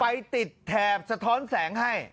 ไปติดแถบสะท้อนแสงให้